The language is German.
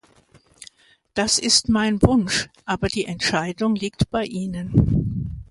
Das ist mein Wunsch, aber die Entscheidung liegt bei Ihnen.